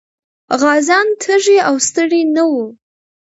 غازيان تږي او ستړي نه وو.